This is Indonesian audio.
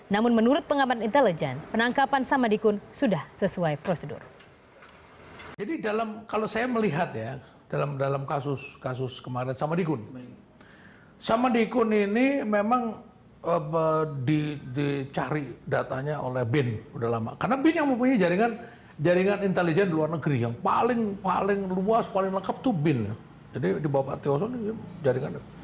namun menurut pengaman intelijen penangkapan sama dikun sudah sesuai prosedur